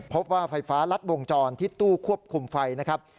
พบว่าไฟฟ้ารัดวงจรที่ตู้ควบคุมไฟนะครับ